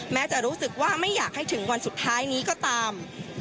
แม้จะรู้สึกว่าไม่อยากให้ถึงวันสุดท้ายนี้ก็ตาม